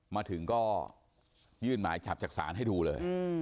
มาถึงก็ยื่นหมายจับจากศาลให้ดูเลย